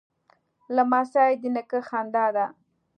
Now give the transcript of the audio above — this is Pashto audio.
لمسی د نیکه خندا ده.